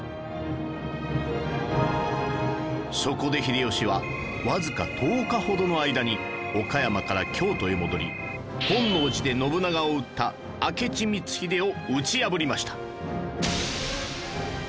そこで秀吉はわずか１０日ほどの間に岡山から京都へ戻り本能寺で信長を討った明智光秀を討ち破りました